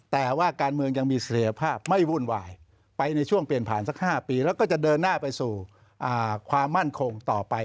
แต่ว่าการเมืองยังมีศักยภาพไม่วุ่นวายไปในช่วงเปลี่ยนผ่านสัก๕ปีแล้วก็จะเดินหน้าไปสู่ความมั่นคงต่อไป